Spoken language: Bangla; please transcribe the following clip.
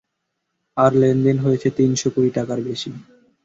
আর লেনদেনে হয়েছে তিনশো কোটি টাকার বেশি।